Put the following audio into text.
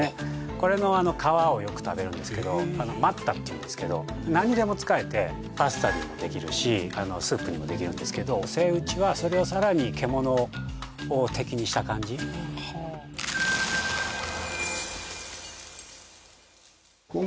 これの皮をよく食べるんですけど何にでも使えてパスタにもできるしスープにもできるんですけどセイウチはそれをさらに何だったんですか？